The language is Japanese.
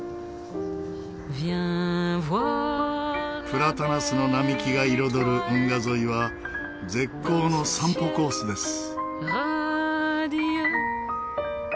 プラタナスの並木が彩る運河沿いは絶好の散歩コースです。